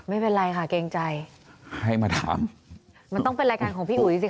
ไม่เป็นไรค่ะเกรงใจให้มาถามมันต้องเป็นรายการของพี่อุ๋ยสิ